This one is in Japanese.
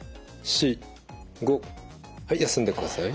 はい休んでください。